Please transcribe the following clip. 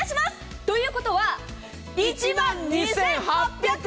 ということは１万２８００円！